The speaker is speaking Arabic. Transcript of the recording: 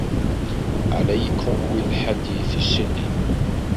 عَلَيْكُمْ بِالْحَدِيثِ السِّنِّ